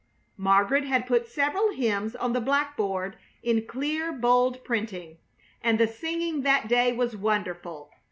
Margaret had put several hymns on the blackboard in clear, bold printing, and the singing that day was wonderful.